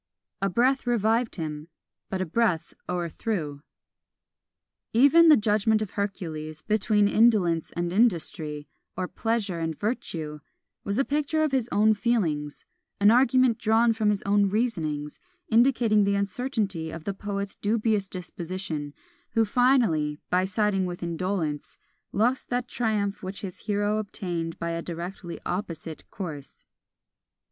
A breath revived him but a breath o'erthrew. Even "The Judgment of Hercules" between Indolence and Industry, or Pleasure and Virtue, was a picture of his own feelings; an argument drawn from his own reasonings; indicating the uncertainty of the poet's dubious disposition; who finally by siding with Indolence, lost that triumph which his hero obtained by a directly opposite course.